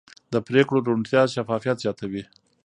د پرېکړو روڼتیا شفافیت زیاتوي